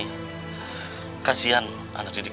tapi gak ada alasan untuk kita berdua